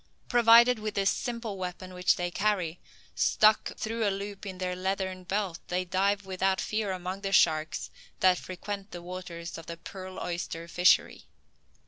Provided with this simple weapon, which they carry, stuck through a loop in their leathern belt, they dive without fear among the sharks that frequent the waters of the pearl oyster fishery.